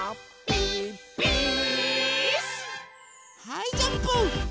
はいジャンプ！